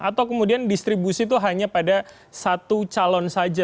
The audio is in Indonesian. atau kemudian distribusi itu hanya pada satu calon saja